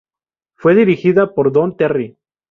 Fue dirigida por Don Terry.